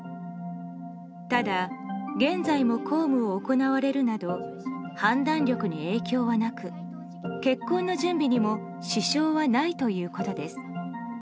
ただ、現在も公務を行われるなど判断力に影響はなく結婚の準備にも支障はないということです。